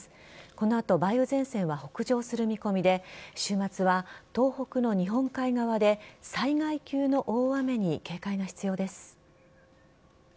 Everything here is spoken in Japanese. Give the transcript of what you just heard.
この後梅雨前線は北上する見込みで週末は、東北の日本海側で災害級の大雨に警戒が必要です。